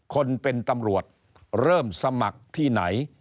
คนเป็นตำรวจเริ่มสมัครที่ไหน